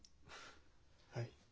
はい。